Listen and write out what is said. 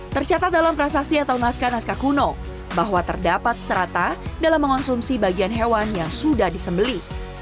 tercatat dalam prasasti atau naskah naskah kuno bahwa terdapat strata dalam mengonsumsi bagian hewan yang sudah disembeli